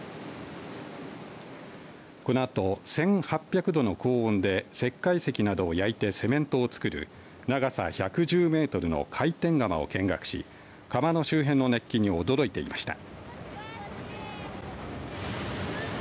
このあと１８００度の高温で石灰石などを焼いてセメントを作る長さ１１０メートルの回転窯を見学し窯の周辺の熱気に驚いていました。